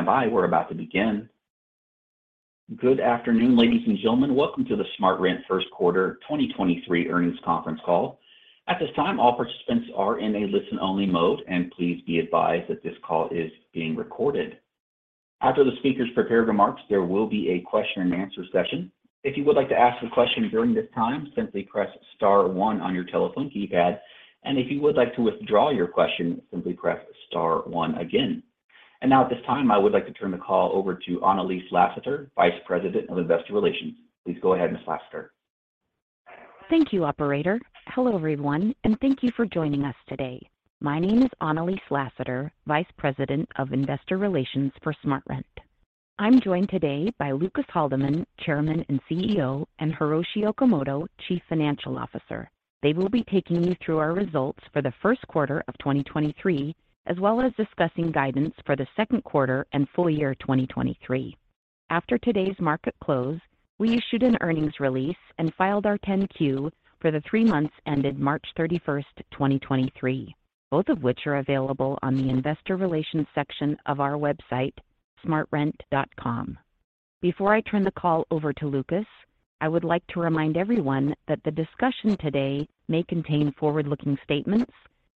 Please stand by. We're about to begin. Good afternoon, ladies and gentlemen. Welcome to the SmartRent First Quarter 2023 Earnings Conference Call. At this time, all participants are in a listen-only mode, and please be advised that this call is being recorded. After the speakers prepare remarks, there will be a question-and-answer session. If you would like to ask a question during this time, simply press star one on your telephone keypad, and if you would like to withdraw your question, simply press star one again. Now at this time, I would like to turn the call over to Annalise Lasater, Vice President of Investor Relations. Please go ahead, Ms. Lasater. Thank you, operator. Hello, everyone, and thank you for joining us today. My name is Annalise Lasater, Vice President of Investor Relations for SmartRent. I'm joined today by Lucas Haldeman, Chairman and CEO, and Hiroshi Okamoto, Chief Financial Officer. They will be taking you through our results for the first quarter of 2023, as well as discussing guidance for the second quarter and full year 2023. After today's market close, we issued an earnings release and filed our 10-Q for the three months ended March 31st, 2023, both of which are available on the investor relations section of our website, smartrent.com. Before I turn the call over to Lucas, I would like to remind everyone that the discussion today may contain forward-looking statements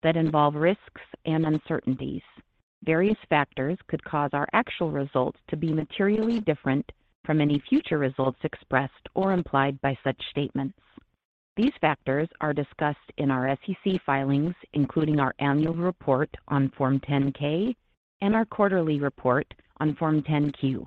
that involve risks and uncertainties. Various factors could cause our actual results to be materially different from any future results expressed or implied by such statements. These factors are discussed in our SEC filings, including our annual report on form 10-K and our quarterly report on form 10-Q.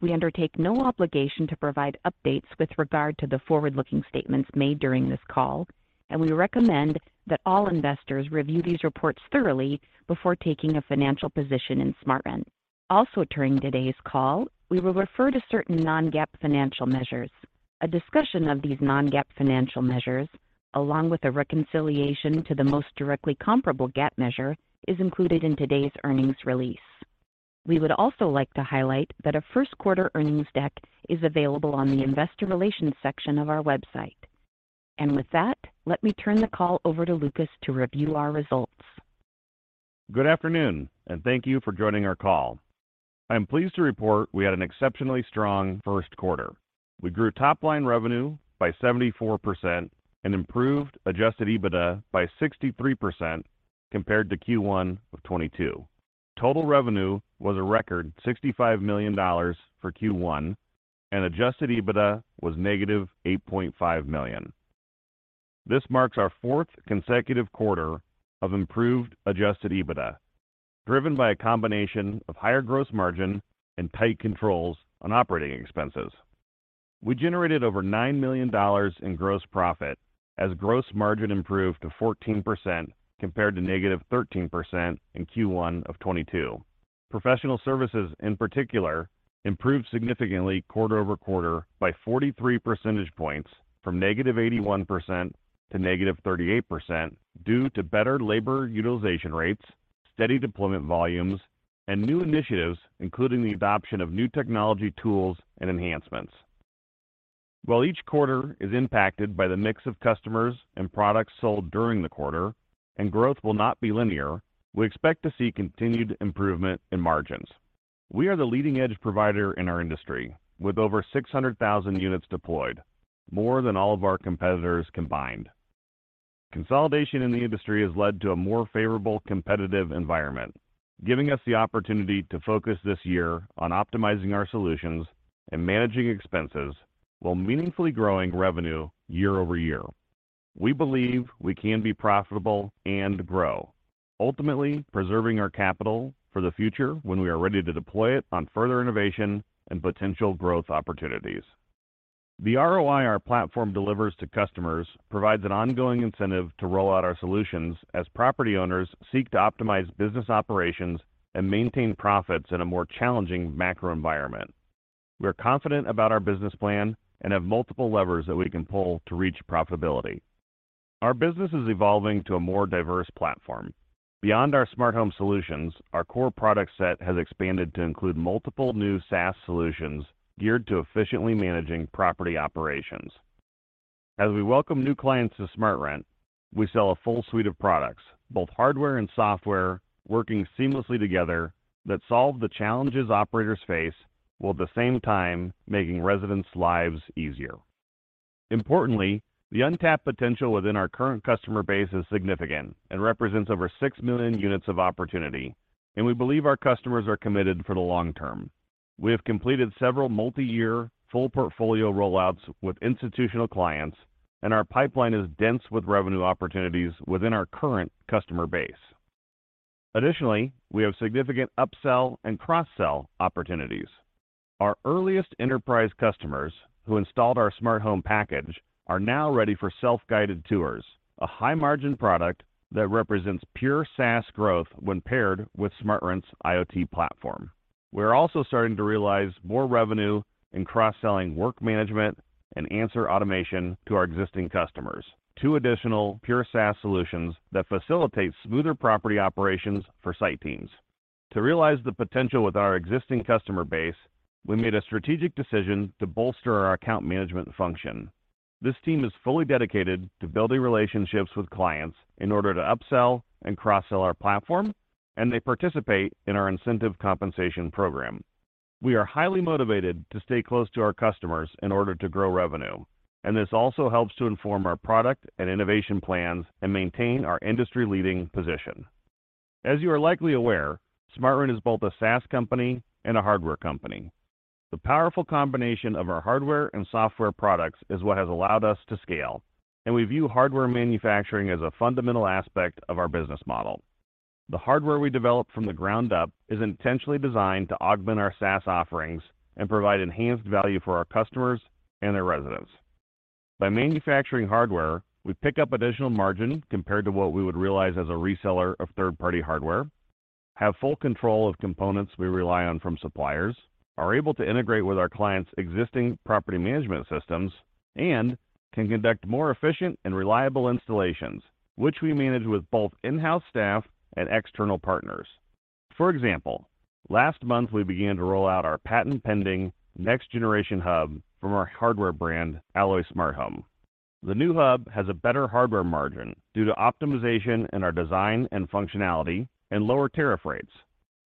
We undertake no obligation to provide updates with regard to the forward-looking statements made during this call, and we recommend that all investors review these reports thoroughly before taking a financial position in SmartRent. Also, during today's call, we will refer to certain non-GAAP financial measures. A discussion of these non-GAAP financial measures, along with a reconciliation to the most directly comparable GAAP measure, is included in today's earnings release. We would also like to highlight that a first quarter earnings deck is available on the investor relations section of our website. With that, let me turn the call over to Lucas to review our results. Good afternoon. Thank you for joining our call. I am pleased to report we had an exceptionally strong first quarter. We grew top line revenue by 74% and improved Adjusted EBITDA by 63% compared to Q1 of 2022. Total revenue was a record $65 million for Q1 and Adjusted EBITDA was -$8.5 million. This marks our fourth consecutive quarter of improved Adjusted EBITDA, driven by a combination of higher gross margin and tight controls on operating expenses. We generated over $9 million in gross profit as gross margin improved to 14% compared to -13% in Q1 of 2022. Professional services in particular improved significantly quarter-over-quarter by 43 percentage points from -81% to -38% due to better labor utilization rates, steady deployment volumes, and new initiatives, including the adoption of new technology tools and enhancements. While each quarter is impacted by the mix of customers and products sold during the quarter and growth will not be linear, we expect to see continued improvement in margins. We are the leading edge provider in our industry with over 600,000 units deployed, more than all of our competitors combined. Consolidation in the industry has led to a more favorable competitive environment, giving us the opportunity to focus this year on optimizing our solutions and managing expenses while meaningfully growing revenue year-over-year. We believe we can be profitable and grow, ultimately preserving our capital for the future when we are ready to deploy it on further innovation and potential growth opportunities. The ROI our platform delivers to customers provides an ongoing incentive to roll out our solutions as property owners seek to optimize business operations and maintain profits in a more challenging macro environment. We are confident about our business plan and have multiple levers that we can pull to reach profitability. Our business is evolving to a more diverse platform. Beyond our smart home solutions, our core product set has expanded to include multiple new SaaS solutions geared to efficiently managing property operations. As we welcome new clients to SmartRent, we sell a full suite of products, both hardware and software, working seamlessly together that solve the challenges operators face while at the same time making residents' lives easier. Importantly, the untapped potential within our current customer base is significant and represents over 6 million units of opportunity. We believe our customers are committed for the long term. We have completed several multi-year full portfolio rollouts with institutional clients. Our pipeline is dense with revenue opportunities within our current customer base. Additionally, we have significant upsell and cross-sell opportunities. Our earliest enterprise customers who installed our smart home package are now ready for Self-Guided Tours, a high-margin product that represents pure SaaS growth when paired with SmartRent's IoT platform. We are also starting to realize more revenue in cross-selling Work Management and Answer Automation to our existing customers. Two additional pure SaaS solutions that facilitate smoother property operations for site teams. To realize the potential with our existing customer base, we made a strategic decision to bolster our account management function. This team is fully dedicated to building relationships with clients in order to upsell and cross-sell our platform. They participate in our incentive compensation program. We are highly motivated to stay close to our customers in order to grow revenue. This also helps to inform our product and innovation plans and maintain our industry-leading position. As you are likely aware, SmartRent is both a SaaS company and a hardware company. The powerful combination of our hardware and software products is what has allowed us to scale. We view hardware manufacturing as a fundamental aspect of our business model. The hardware we develop from the ground up is intentionally designed to augment our SaaS offerings and provide enhanced value for our customers and their residents. By manufacturing hardware, we pick up additional margin compared to what we would realize as a reseller of third-party hardware, have full control of components we rely on from suppliers, are able to integrate with our clients' existing property management systems, and can conduct more efficient and reliable installations, which we manage with both in-house staff and external partners. For example, last month, we began to roll out our patent-pending next generation hub from our hardware brand, Alloy Smart Home. The new hub has a better hardware margin due to optimization in our design and functionality and lower tariff rates.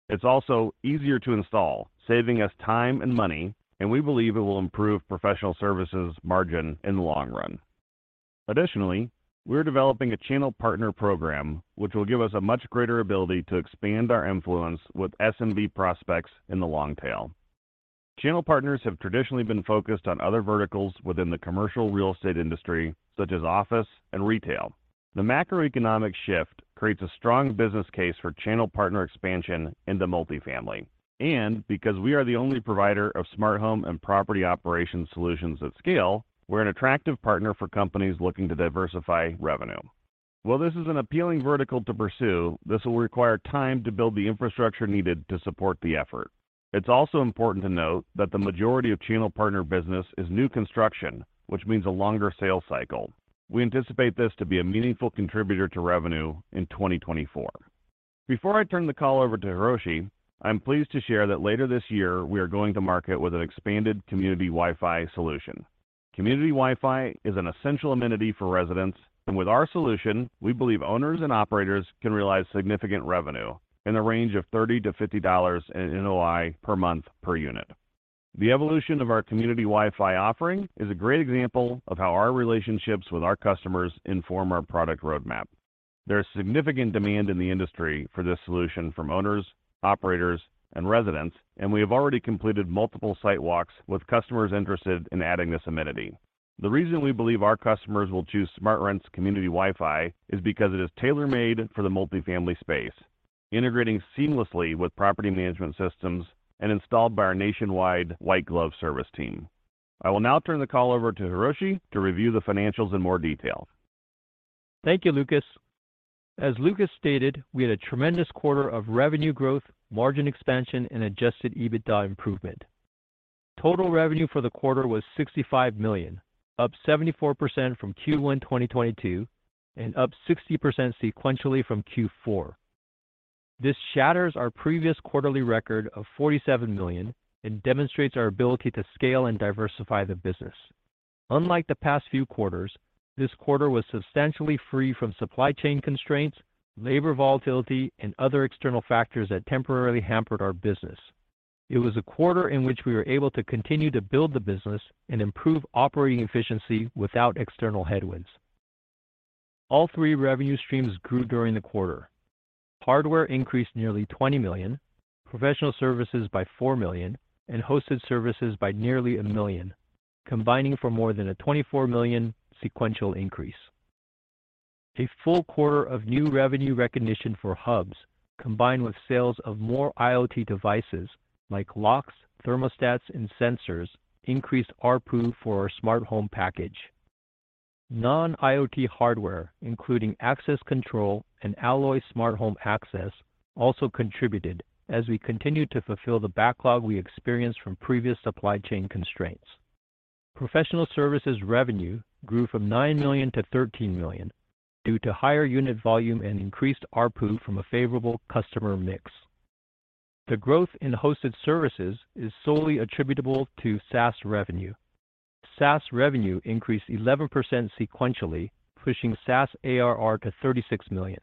It's also easier to install, saving us time and money, and we believe it will improve professional services margin in the long run. Additionally, we're developing a channel partner program which will give us a much greater ability to expand our influence with SMB prospects in the long tail. Channel partners have traditionally been focused on other verticals within the commercial real estate industry, such as office and retail. The macroeconomic shift creates a strong business case for channel partner expansion into multifamily. Because we are the only provider of smart home and property operations solutions at scale, we're an attractive partner for companies looking to diversify revenue. While this is an appealing vertical to pursue, this will require time to build the infrastructure needed to support the effort. It's also important to note that the majority of channel partner business is new construction, which means a longer sales cycle. We anticipate this to be a meaningful contributor to revenue in 2024. Before I turn the call over to Hiroshi, I'm pleased to share that later this year, we are going to market with an expanded Community WiFi solution. Community WiFi is an essential amenity for residents. With our solution, we believe owners and operators can realize significant revenue in the range of $30-$50 in NOI per month per unit. The evolution of our Community WiFi offering is a great example of how our relationships with our customers inform our product roadmap. There's significant demand in the industry for this solution from owners, operators, and residents. We have already completed multiple site walks with customers interested in adding this amenity. The reason we believe our customers will choose SmartRent's Community WiFi is because it is tailor-made for the multifamily space, integrating seamlessly with property management systems and installed by our nationwide white glove service team. I will now turn the call over to Hiroshi to review the financials in more detail. Thank you, Lucas. As Lucas stated, we had a tremendous quarter of revenue growth, margin expansion, and Adjusted EBITDA improvement. Total revenue for the quarter was $65 million, up 74% from Q1 2022 and up 60% sequentially from Q4. This shatters our previous quarterly record of $47 million and demonstrates our ability to scale and diversify the business. Unlike the past few quarters, this quarter was substantially free from supply chain constraints, labor volatility, and other external factors that temporarily hampered our business. It was a quarter in which we were able to continue to build the business and improve operating efficiency without external headwinds. All three revenue streams grew during the quarter. Hardware increased nearly $20 million, professional services by $4 million, and hosted services by nearly $1 million, combining for more than a $24 million sequential increase. A full quarter of new revenue recognition for hubs, combined with sales of more IoT devices like locks, thermostats, and sensors, increased ARPU for our smart home package. Non-IoT hardware, including Access Control and Alloy Smart Home access, also contributed as we continued to fulfill the backlog we experienced from previous supply chain constraints. Professional services revenue grew from $9 million to $13 million due to higher unit volume and increased ARPU from a favorable customer mix. The growth in hosted services is solely attributable to SaaS revenue. SaaS revenue increased 11% sequentially, pushing SaaS ARR to $36 million,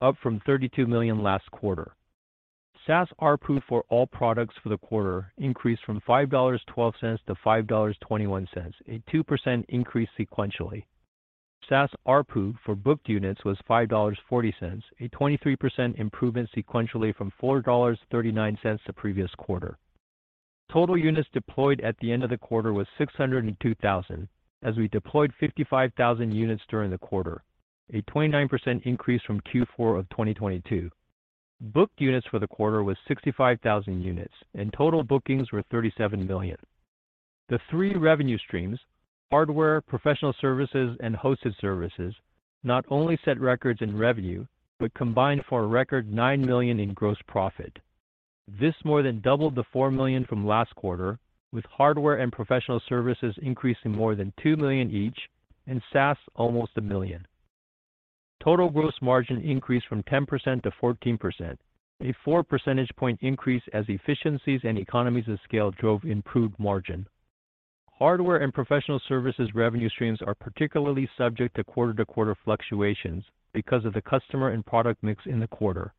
up from $32 million last quarter. SaaS ARPU for all products for the quarter increased from $5.12 to $5.21, a 2% increase sequentially. SaaS ARPU for booked units was $5.40, a 23% improvement sequentially from $4.39 the previous quarter. Total units deployed at the end of the quarter was 602,000 as we deployed 55,000 units during the quarter, a 29% increase from Q4 of 2022. Booked units for the quarter was 65,000 units, and total bookings were $37 million. The three revenue streams, hardware, professional services, and hosted services, not only set records in revenue, but combined for a record $9 million in gross profit. This more than doubled the $4 million from last quarter, with hardware and professional services increasing more than $2 million each and SaaS almost $1 million. Total gross margin increased from 10% to 14%. A 4 percentage point increase as efficiencies and economies of scale drove improved margin. Hardware and professional services revenue streams are particularly subject to quarter-to-quarter fluctuations because of the customer and product mix in the quarter.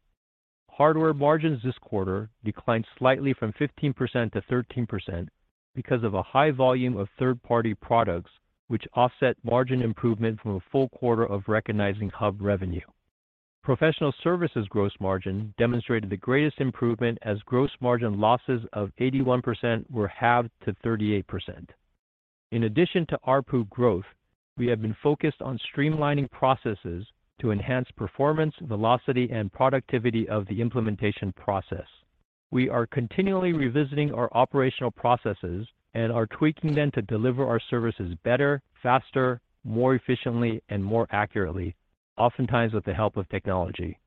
Hardware margins this quarter declined slightly from 15% to 13% because of a high volume of third-party products, which offset margin improvement from a full quarter of recognizing hub revenue. Professional services gross margin demonstrated the greatest improvement as gross margin losses of 81% were halved to 38%. In addition to ARPU growth, we have been focused on streamlining processes to enhance performance, velocity, and productivity of the implementation process. We are continually revisiting our operational processes and are tweaking them to deliver our services better, faster, more efficiently, and more accurately, oftentimes with the help of technology.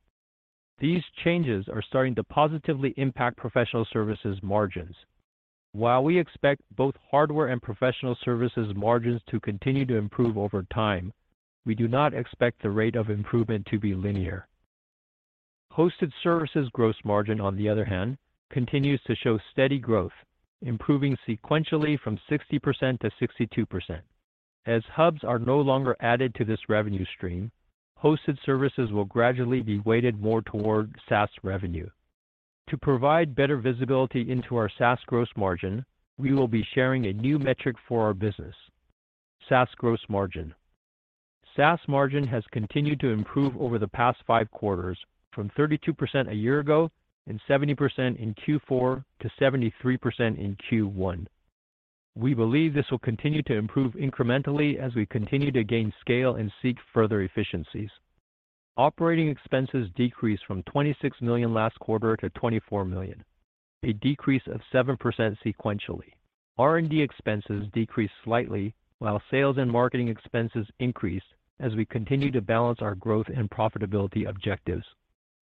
These changes are starting to positively impact professional services margins. While we expect both hardware and professional services margins to continue to improve over time, we do not expect the rate of improvement to be linear. Hosted services gross margin, on the other hand, continues to show steady growth, improving sequentially from 60% to 62%. As hubs are no longer added to this revenue stream, hosted services will gradually be weighted more toward SaaS revenue. To provide better visibility into our SaaS gross margin, we will be sharing a new metric for our business, SaaS gross margin. SaaS margin has continued to improve over the past five quarters from 32% a year ago and 70% in Q4 to 73% in Q1. We believe this will continue to improve incrementally as we continue to gain scale and seek further efficiencies. Operating expenses decreased from $26 million last quarter to $24 million, a decrease of 7% sequentially. R&D expenses decreased slightly while sales and marketing expenses increased as we continue to balance our growth and profitability objectives.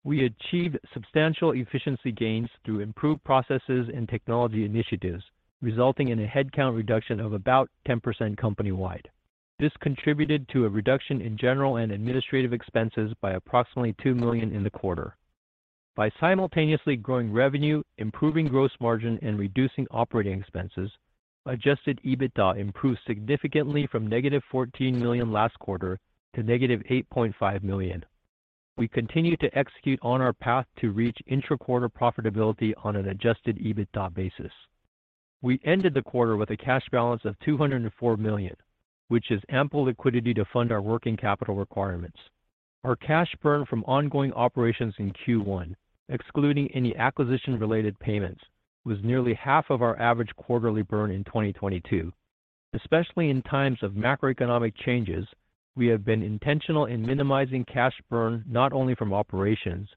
We achieved substantial efficiency gains through improved processes and technology initiatives, resulting in a headcount reduction of about 10% company-wide. This contributed to a reduction in general and administrative expenses by approximately $2 million in the quarter. By simultaneously growing revenue, improving gross margin, and reducing operating expenses, Adjusted EBITDA improved significantly from negative $14 million last quarter to negative $8.5 million. We continue to execute on our path to reach intra-quarter profitability on an Adjusted EBITDA basis. We ended the quarter with a cash balance of $204 million, which is ample liquidity to fund our working capital requirements. Our cash burn from ongoing operations in Q1, excluding any acquisition-related payments, was nearly half of our average quarterly burn in 2022. Especially in times of macroeconomic changes, we have been intentional in minimizing cash burn, not only from operations,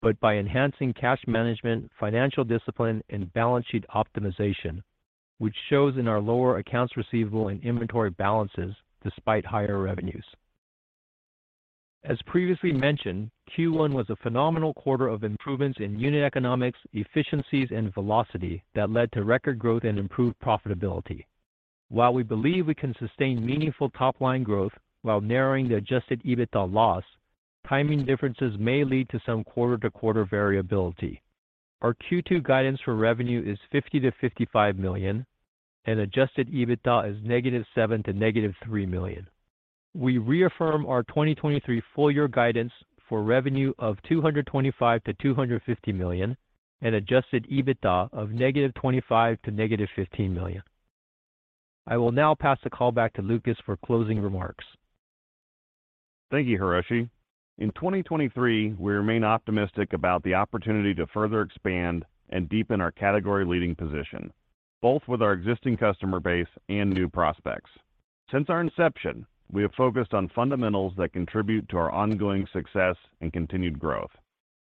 but by enhancing cash management, financial discipline, and balance sheet optimization, which shows in our lower accounts receivable and inventory balances despite higher revenues. As previously mentioned, Q1 was a phenomenal quarter of improvements in unit economics, efficiencies, and velocity that led to record growth and improved profitability. While we believe we can sustain meaningful top-line growth while narrowing the Adjusted EBITDA loss, timing differences may lead to some quarter-to-quarter variability. Our Q2 guidance for revenue is $50 million-$55 million and Adjusted EBITDA is -$7 million to -$3 million. We reaffirm our 2023 full year guidance for revenue of $225 million-$250 million and Adjusted EBITDA of -$25 million to -$15 million. I will now pass the call back to Lucas for closing remarks. Thank you, Hiroshi. In 2023, we remain optimistic about the opportunity to further expand and deepen our category leading position, both with our existing customer base and new prospects. Since our inception, we have focused on fundamentals that contribute to our ongoing success and continued growth.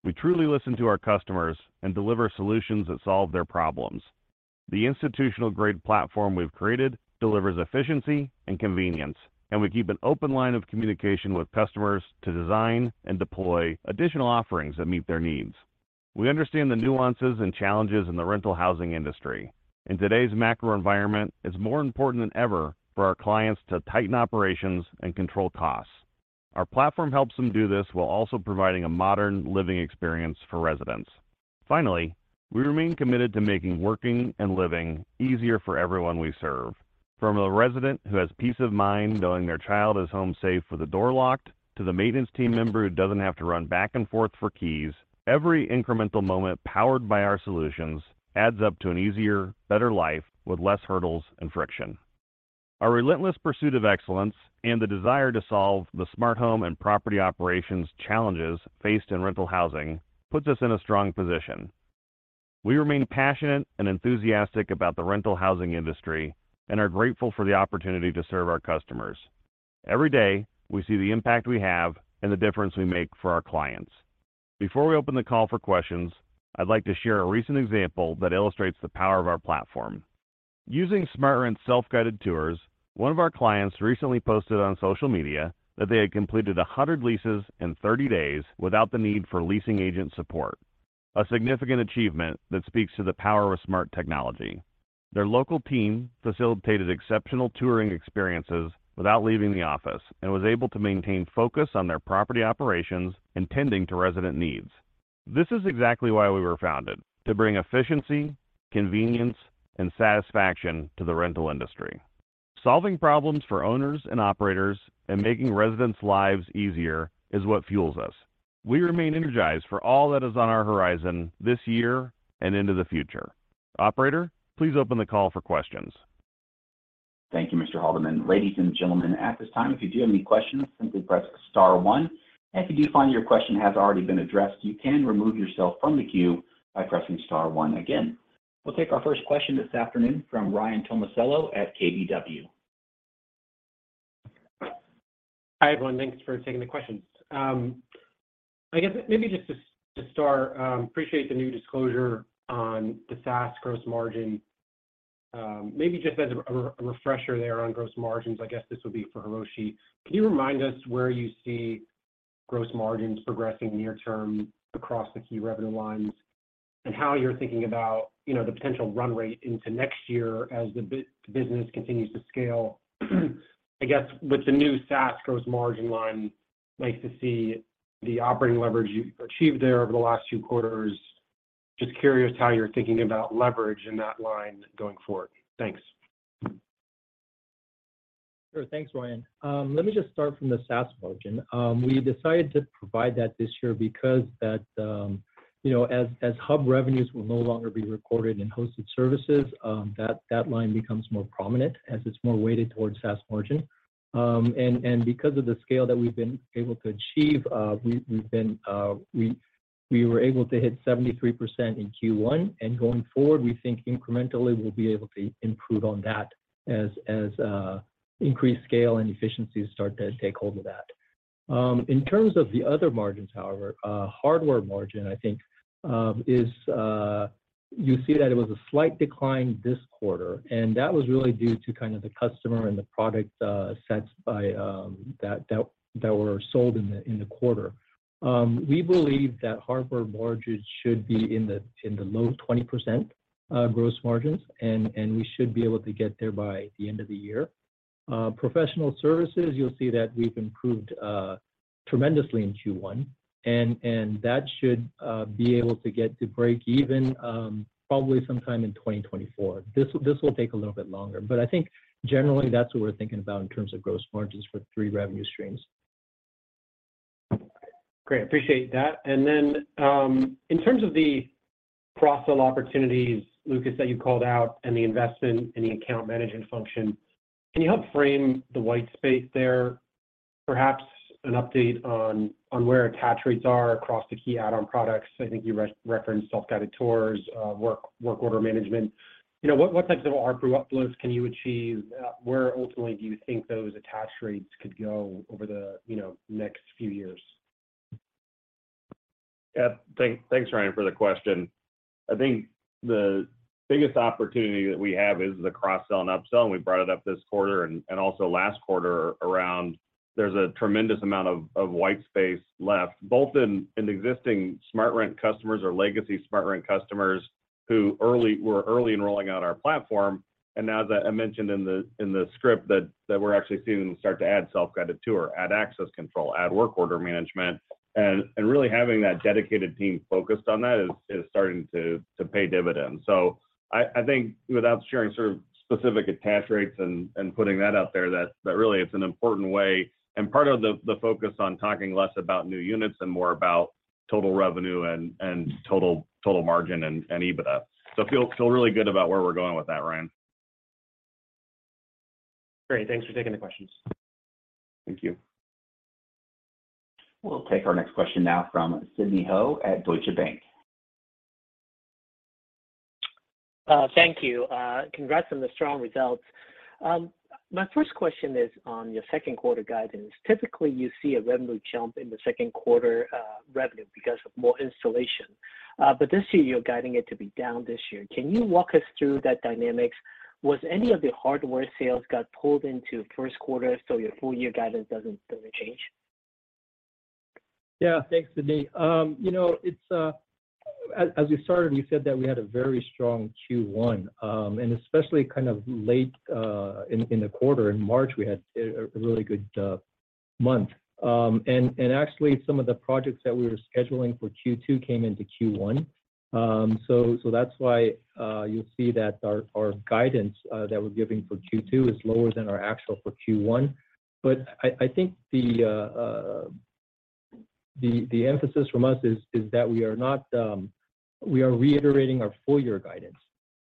We truly listen to our customers and deliver solutions that solve their problems. The institutional-grade platform we've created delivers efficiency and convenience, and we keep an open line of communication with customers to design and deploy additional offerings that meet their needs. We understand the nuances and challenges in the rental housing industry. In today's macro environment, it's more important than ever for our clients to tighten operations and control costs. Our platform helps them do this while also providing a modern living experience for residents. Finally, we remain committed to making working and living easier for everyone we serve. From a resident who has peace of mind knowing their child is home safe with the door locked, to the maintenance team member who doesn't have to run back and forth for keys, every incremental moment powered by our solutions adds up to an easier, better life with less hurdles and friction. Our relentless pursuit of excellence and the desire to solve the smart home and property operations challenges faced in rental housing puts us in a strong position. We remain passionate and enthusiastic about the rental housing industry and are grateful for the opportunity to serve our customers. Every day, we see the impact we have and the difference we make for our clients. Before we open the call for questions, I'd like to share a recent example that illustrates the power of our platform. Using SmartRent Self-Guided Tours, one of our clients recently posted on social media that they had completed 100 leases in 30 days without the need for leasing agent support. A significant achievement that speaks to the power of smart technology. Their local team facilitated exceptional touring experiences without leaving the office and was able to maintain focus on their property operations and tending to resident needs. This is exactly why we were founded: to bring efficiency, convenience, and satisfaction to the rental industry. Solving problems for owners and operators and making residents' lives easier is what fuels us. We remain energized for all that is on our horizon this year and into the future. Operator, please open the call for questions. Thank you, Mr. Haldeman. Ladies and gentlemen, at this time, if you do have any questions, simply press star one. If you do find your question has already been addressed, you can remove yourself from the queue by pressing star one again. We'll take our first question this afternoon from Ryan Tomasello at KBW. Hi, everyone. Thanks for taking the questions. I guess maybe just to start, appreciate the new disclosure on the SaaS gross margin. Maybe just as a refresher there on gross margins, I guess this would be for Hiroshi. Can you remind us where you see gross margins progressing near term across the key revenue lines and how you're thinking about, you know, the potential run rate into next year as the business continues to scale? I guess with the new SaaS gross margin line, nice to see the operating leverage you've achieved there over the last few quarters. Just curious how you're thinking about leverage in that line going forward. Thanks. Sure. Thanks, Ryan. Let me just start from the SaaS margin. We decided to provide that this year because that, you know, as Hub revenues will no longer be recorded in hosted services, that line becomes more prominent as it's more weighted towards SaaS margin. Because of the scale that we've been able to achieve, we've been, we were able to hit 73% in Q1, and going forward, we think incrementally we'll be able to improve on that as increased scale and efficiencies start to take hold of that. In terms of the other margins, however, hardware margin, I think, is. You see that it was a slight decline this quarter, and that was really due to kind of the customer and the product sets by that were sold in the quarter. We believe that hardware margins should be in the low 20% gross margins and we should be able to get there by the end of the year. Professional services, you'll see that we've improved tremendously in Q1 and that should be able to get to break even probably sometime in 2024. This will take a little bit longer. I think generally that's what we're thinking about in terms of gross margins for three revenue streams. Great. Appreciate that. In terms of the cross-sell opportunities, Lucas, that you called out and the investment in the account management function, can you help frame the white space there? Perhaps an update on where attach rates are across the key add-on products. I think you re-referenced Self-Guided Tours, Work Management. You know, what types of ARPU uploads can you achieve? Where ultimately do you think those attach rates could go over the, you know, next few years? Yeah. Thanks, Ryan, for the question. I think the biggest opportunity that we have is the cross-sell and up-sell, and we brought it up this quarter and also last quarter around there's a tremendous amount of white space left, both in existing SmartRent customers or legacy SmartRent customers who were early in rolling out our platform. Now, as I mentioned in the script that we're actually seeing them start to add Self-Guided Tour, add Access Control, add work order management. Really having that dedicated team focused on that is starting to pay dividends. I think without sharing sort of specific attach rates and putting that out there, that really it's an important way and part of the focus on talking less about new units and more about total revenue and total margin and EBITDA. Feel really good about where we're going with that, Ryan. Great. Thanks for taking the questions. Thank you. We'll take our next question now from Sidney Ho at Deutsche Bank. Thank you. Congrats on the strong results. My first question is on your second quarter guidance. Typically, you see a revenue jump in the second quarter, revenue because of more installation. This year, you're guiding it to be down this year. Can you walk us through that dynamics? Was any of the hardware sales got pulled into first quarter so your full year guidance doesn't change? Yeah. Thanks, Sidney. You know, as we started, we said that we had a very strong Q1, and especially kind of late in the quarter. In March, we had a really good month. And actually some of the projects that we were scheduling for Q2 came into Q1. That's why you'll see that our guidance that we're giving for Q2 is lower than our actual for Q1. I think the emphasis from us is that we are reiterating our full year guidance.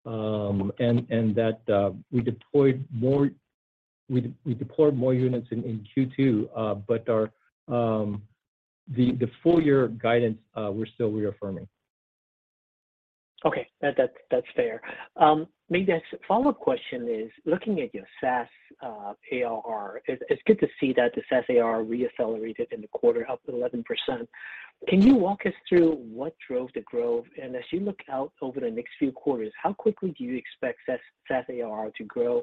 That we deployed more units in Q2, but our full year guidance, we're still reaffirming. Okay. That's fair. Maybe a follow-up question is looking at your SaaS ARR, it's good to see that the SaaS ARR re-accelerated in the quarter, up 11%. Can you walk us through what drove the growth? As you look out over the next few quarters, how quickly do you expect SaaS ARR to grow,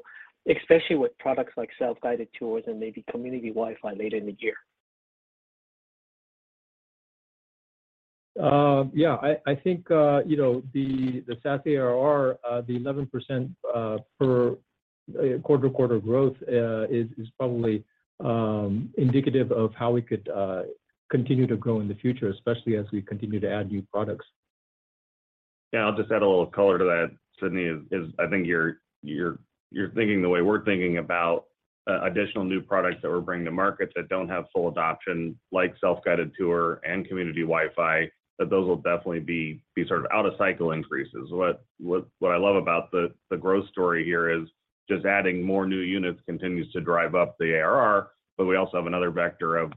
especially with products like Self-Guided Tours and maybe Community WiFi later in the year? Yeah, I think, you know, the SaaS ARR, the 11% per quarter-to-quarter growth, is probably indicative of how we could continue to grow in the future, especially as we continue to add new products. Yeah, I'll just add a little color to that, Sidney, is I think you're thinking the way we're thinking about additional new products that we're bringing to market that don't have full adoption, like Self-Guided Tours and Community WiFi, that those will definitely be sort of out of cycle increases. What I love about the growth story here is just adding more new units continues to drive up the ARR, but we also have another vector of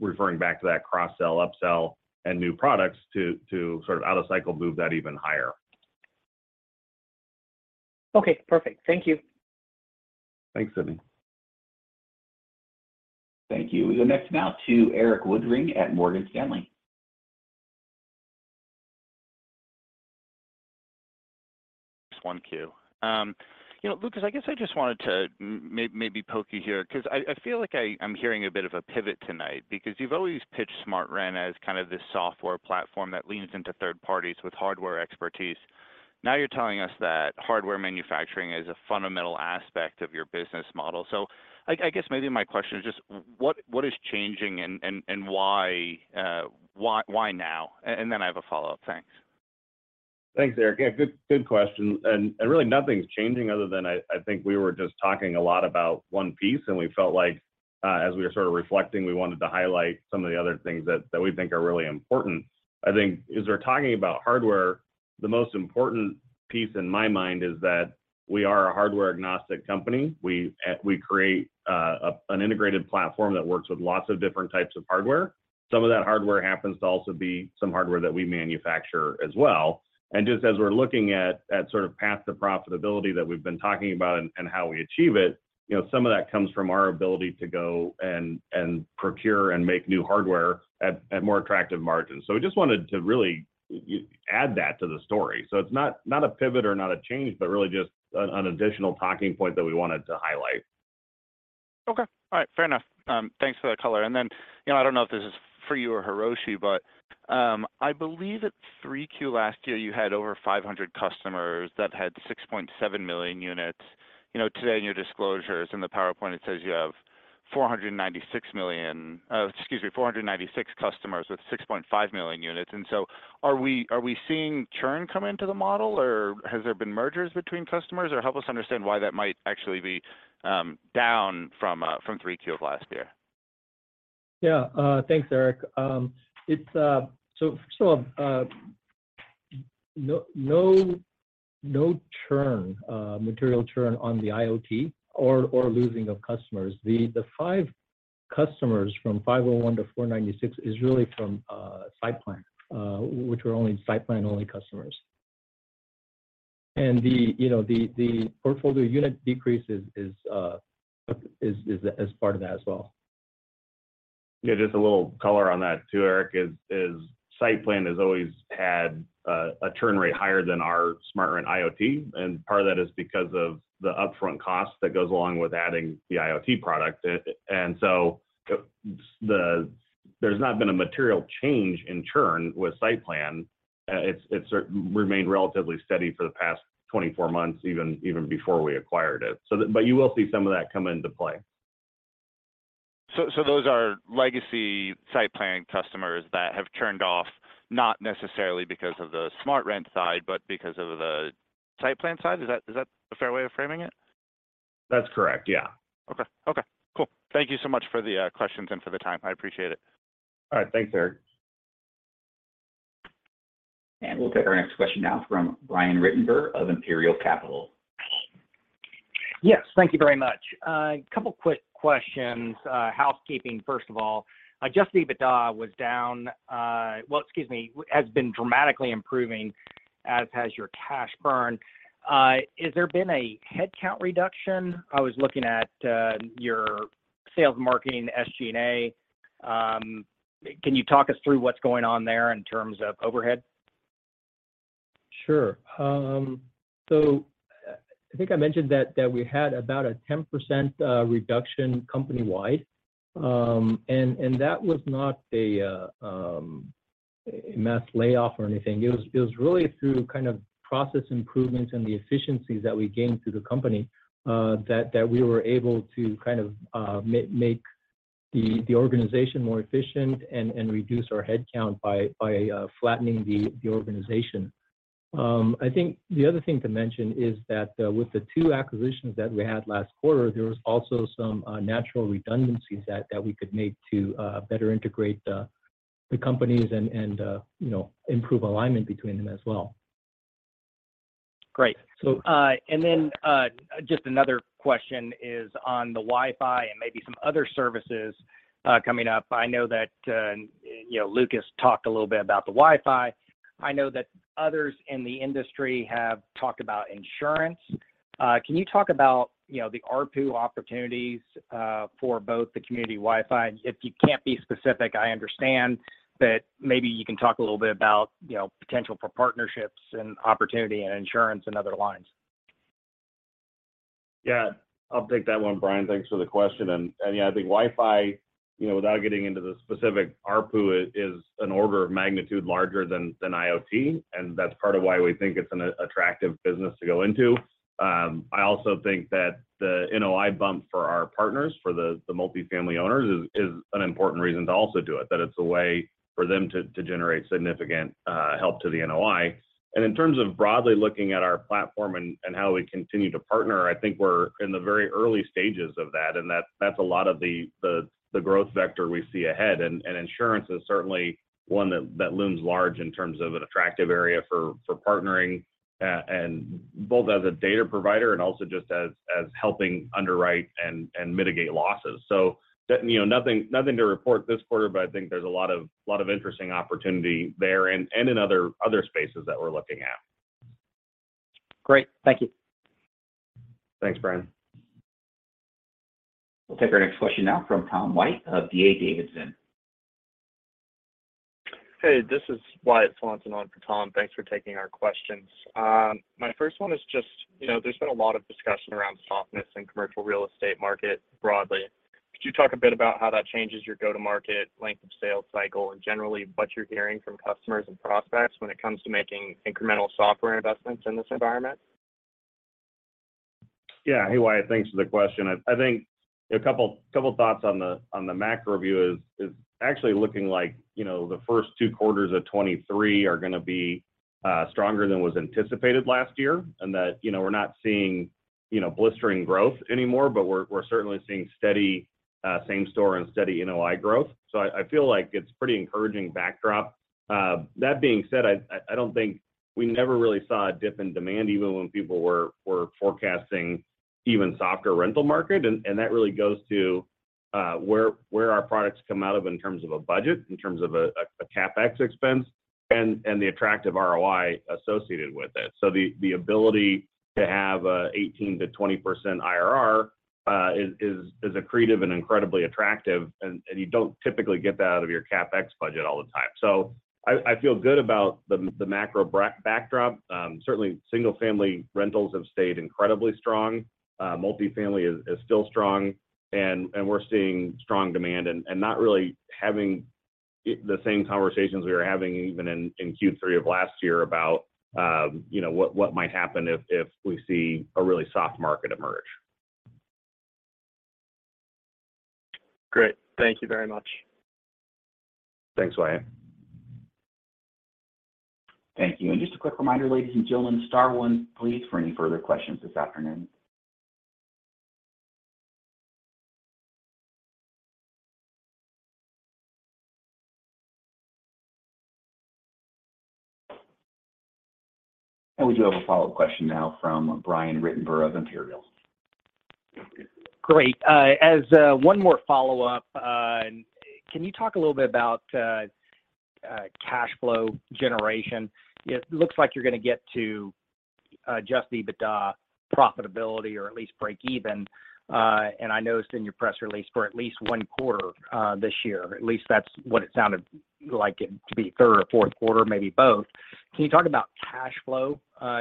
referring back to that cross-sell, upsell and new products to sort of out of cycle move that even higher. Okay, perfect. Thank you. Thanks, Sidney. Thank you. We go next now to Erik Woodring at Morgan Stanley. Just one Q. you know, Lucas, I guess I just wanted to maybe poke you here because I feel like I'm hearing a bit of a pivot tonight because you've always pitched SmartRent as kind of this software platform that leans into third parties with hardware expertise. Now, you're telling us that hardware manufacturing is a fundamental aspect of your business model. I guess maybe my question is just what is changing and why now? Then I have a follow-up. Thanks. Thanks, Erik. Yeah, good question. Really nothing's changing other than I think we were just talking a lot about one piece, and we felt like as we were sort of reflecting, we wanted to highlight some of the other things that we think are really important. I think as we're talking about hardware, the most important piece in my mind is that we are a hardware agnostic company. We create an integrated platform that works with lots of different types of hardware. Some of that hardware happens to also be some hardware that we manufacture as well. Just as we're looking at sort of path to profitability that we've been talking about and how we achieve it, you know, some of that comes from our ability to go and procure and make new hardware at more attractive margins. We just wanted to really add that to the story. It's not a pivot or not a change, but really just an additional talking point that we wanted to highlight. Okay. All right. Fair enough. Thanks for the color. You know, I don't know if this is for you or Hiroshi, but I believe at 3Q last year, you had over 500 customers that had 6.7 million units. You know, today in your disclosures in the PowerPoint, it says you have 496 customers with 6.5 million units. Are we seeing churn come into the model, or has there been mergers between customers, or help us understand why that might actually be down from 3Q of last year? Thanks, Erik. No, no churn, material churn on the IoT or losing of customers. The five customers from 501 to 496 is really from SightPlan, which are only SightPlan-only customers. The, you know, the portfolio unit decrease is as part of that as well. Yeah, just a little color on that too, Erik, is SightPlan has always had a churn rate higher than our SmartRent IoT. Part of that is because of the upfront cost that goes along with adding the IoT product. There's not been a material change in churn with SightPlan. It's remained relatively steady for the past 24 months, even before we acquired it. You will see some of that come into play. Those are legacy SightPlan customers that have churned off not necessarily because of the SmartRent side, but because of the SightPlan side. Is that a fair way of framing it? That's correct, yeah. Okay. Okay, cool. Thank you so much for the questions and for the time. I appreciate it. All right. Thanks, Erik. We'll take our next question now from Brian Ruttenbur of Imperial Capital. Yes. Thank you very much. A couple quick questions, housekeeping first of all. Just the EBITDA was down, well, excuse me, has been dramatically improving, as has your cash burn. Has there been a headcount reduction? I was looking at, your sales marketing SG&A. Can you talk us through what's going on there in terms of overhead? Sure. I think I mentioned that we had about a 10% reduction company-wide. That was not a mass layoff or anything. It was really through kind of process improvements and the efficiencies that we gained through the company that we were able to make the organization more efficient and reduce our head count by flattening the organization. I think the other thing to mention is that with the two acquisitions that we had last quarter, there was also some natural redundancies that we could make to better integrate the companies and, you know, improve alignment between them as well. Great. So- Just another question is on the Wi-Fi and maybe some other services coming up. I know that, you know, Lucas talked a little bit about the Wi-Fi. I know that others in the industry have talked about insurance. Can you talk about, you know, the ARPU opportunities for both the Community WiFi? If you can't be specific, I understand, but maybe you can talk a little bit about, you know, potential for partnerships and opportunity and insurance and other lines. Yeah, I'll take that one, Brian. Thanks for the question. And, yeah, I think Wi-Fi, you know, without getting into the specific ARPU is an order of magnitude larger than IoT, and that's part of why we think it's an attractive business to go into. I also think that the NOI bump for our partners, for the multifamily owners is an important reason to also do it, that it's a way for them to generate significant help to the NOI. In terms of broadly looking at our platform and how we continue to partner, I think we're in the very early stages of that, and that's a lot of the growth vector we see ahead. Insurance is certainly one that looms large in terms of an attractive area for partnering and both as a data provider and also just as helping underwrite and mitigate losses. You know, nothing to report this quarter, but I think there's a lot of interesting opportunity there and in other spaces that we're looking at. Great. Thank you. Thanks, Brian. We'll take our next question now from Tom White of D.A. Davidson. Hey, this is Wyatt Swanson on for Tom. Thanks for taking our questions. My first one is just, you know, there's been a lot of discussion around softness in commercial real estate market broadly. Could you talk a bit about how that changes your go-to-market length of sales cycle and generally what you're hearing from customers and prospects when it comes to making incremental software investments in this environment? Yeah. Hey, Wyatt. Thanks for the question. I think a couple thoughts on the macro view is actually looking like, you know, the first two quarters of 2023 are gonna be stronger than was anticipated last year, and that, you know, we're not seeing, you know, blistering growth anymore, but we're certainly seeing steady same store and steady NOI growth. I feel like it's pretty encouraging backdrop. That being said, I don't think we never really saw a dip in demand even when people were forecasting even softer rental market. That really goes to where our products come out of in terms of a budget, in terms of a CapEx expense and the attractive ROI associated with it. The ability to have a 18%-20% IRR is accretive and incredibly attractive, and you don't typically get that out of your CapEx budget all the time. I feel good about the macro back-backdrop. Certainly single-family rentals have stayed incredibly strong. Multifamily is still strong and we're seeing strong demand and not really having the same conversations we were having even in Q3 of last year about, you know, what might happen if we see a really soft market emerge. Great. Thank you very much. Thanks, Wyatt. Thank you. Just a quick reminder, ladies and gentlemen, star one please for any further questions this afternoon. We do have a follow-up question now from Brian Ruttenbur of Imperial. Great. As one more follow-up, can you talk a little bit about cash flow generation? It looks like you're gonna get to Adjusted EBITDA profitability or at least break even, and I noticed in your press release for at least one quarter this year, at least that's what it sounded like it to be third or fourth quarter, maybe both. Can you talk about cash flow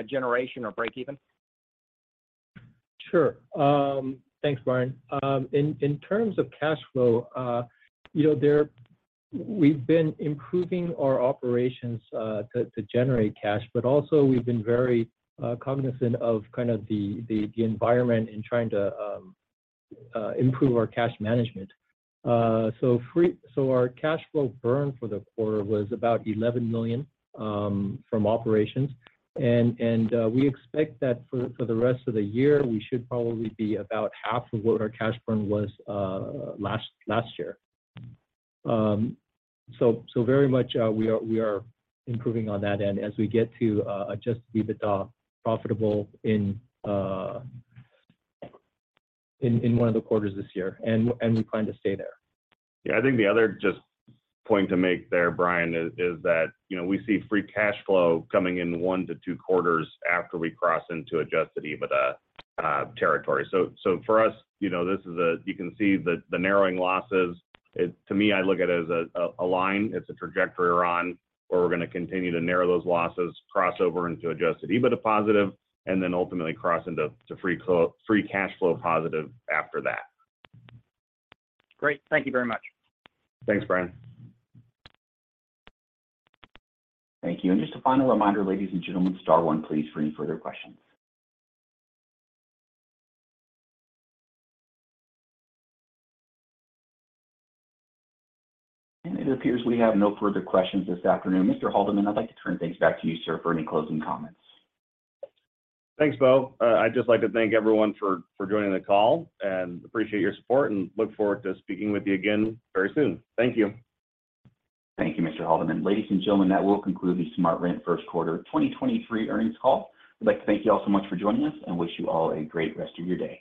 generation or break even? Sure. Thanks, Brian. In terms of cash flow, we've been improving our operations to generate cash, but also we've been very cognizant of kind of the environment in trying to improve our cash management. Our cash flow burn for the quarter was about $11 million from operations and we expect that for the rest of the year, we should probably be about half of what our cash burn was last year. Very much, we are improving on that. As we get to Adjusted EBITDA profitable in one of the quarters this year, we plan to stay there. Yeah. I think the other just point to make there, Brian, is that, you know, we see free cash flow coming in one to two quarters after we cross into Adjusted EBITDA territory. For us, you know, this is. You can see the narrowing losses. To me, I look at it as a line. It's a trajectory we're on, where we're gonna continue to narrow those losses, cross over into Adjusted EBITDA positive, and then ultimately cross into free cash flow positive after that. Great. Thank you very much. Thanks, Brian. Thank you. Just a final reminder, ladies and gentlemen, star one please for any further questions. It appears we have no further questions this afternoon. Mr. Haldeman, I'd like to turn things back to you, sir, for any closing comments. Thanks, Bo. I'd just like to thank everyone for joining the call. Appreciate your support and look forward to speaking with you again very soon. Thank you. Thank you, Mr. Haldeman. Ladies and gentlemen, that will conclude the SmartRent first quarter 2023 earnings call. I'd like to thank you all so much for joining us and wish you all a great rest of your day.